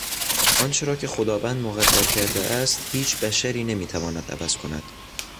آنچه را که خداوند مقدر کرده است هیچ بشری نمیتواند عوض کند.